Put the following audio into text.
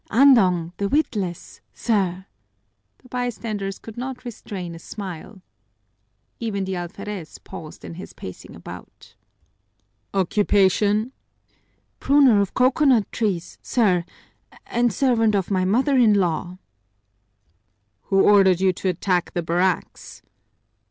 Andong the Witless, sir!" The bystander's could not restrain a smile. Even the alferez paused in his pacing about. "Occupation?" "Pruner of coconut trees, sir, and servant of my mother in law." "Who ordered you to attack the barracks?"